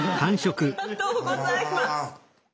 ありがとうございます。